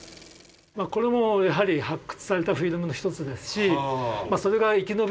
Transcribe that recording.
これもやはり発掘されたフィルムの一つですしそれが生き延びてここに保管されてる。